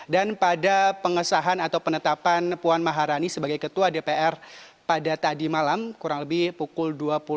dan pada pengesahan atau penetapan puan maharani sebagai ketua dpr pada tadi malam kurang lebih pukul dua puluh